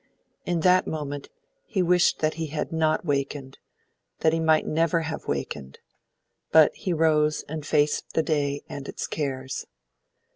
In that moment he wished that he had not wakened, that he might never have wakened; but he rose, and faced the day and its cares.